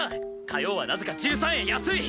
火曜はなぜか１３円安い！